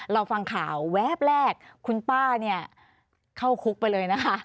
เราฟังข่าวแวบแรกคุณป้าเนี่ยเข้าคุกไปเลยนะคะ